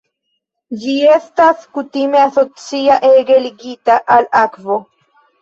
Ĝi estas kutime asocia ege ligita al akvo.